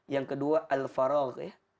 yang kedua al faragh